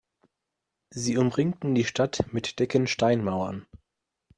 Sie umringten die Stadt mit dicken Steinmauern.